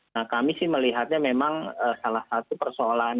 nah kami sih melihatnya memang salah satu persoalan